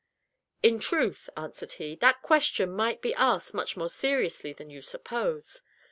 "In truth," answered he, "that question might be asked much more seriously than you suppose.